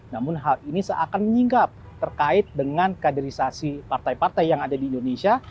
namun hal ini seakan menyingkap terkait dengan kaderisasi partai partai yang ada di indonesia